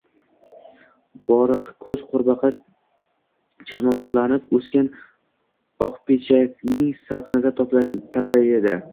Bo‘rtiqko‘z qurbaqa chirmovuqlanib o‘sgan oqpechakning salqinida talpaydi